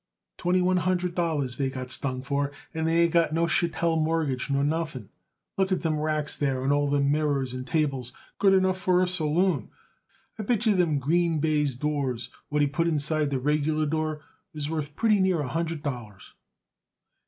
Twenty one hundred dollars they got stung for, and they ain't got no chattel mortgage nor nothing. Look at them racks there and all them mirrors and tables! Good enough for a saloon. I bet yer them green baize doors, what he put inside the regular door, is worth pretty near a hundred dollars."